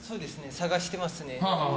探していますね。